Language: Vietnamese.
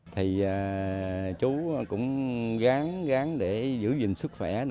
thì chú cũng gán để giữ gìn sức khỏe